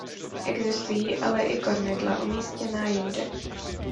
Existují ale i kormidla umístěná jinde.